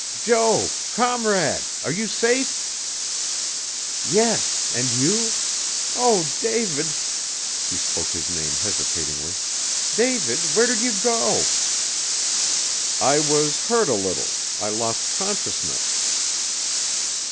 "Jo comrade are you safe?" "Yes, and you? Oh, David!" she spoke his name hesitatingly, "David, where did you go?" "I was hurt a little. I lost consciousness."